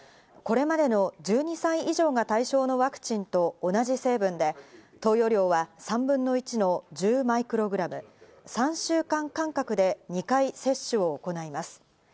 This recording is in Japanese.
これまでの１２歳以上が対象のワクチンと同じ成分で、投与量は３分の１の１０マイクログラム、３週間間隔で２回接種を行います。